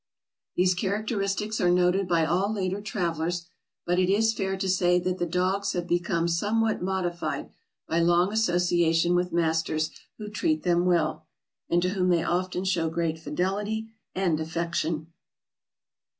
" These characteristics are noted by all later travelers, but it is fair to say that the dogs have become somewhat modified by long association with masters who treat them well, and to whom they often show great fidelity and affection.